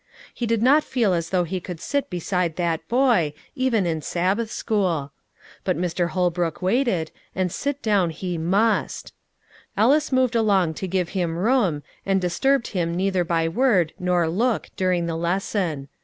He did not feel as though he could sit beside that boy, even in Sabbath school. But Mr. Holbrook waited, and sit down he must. Ellis moved along to give him room, and disturbed him neither by word nor look during the lesson.